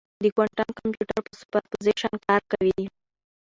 د کوانټم کمپیوټر په سوپرپوزیشن کار کوي.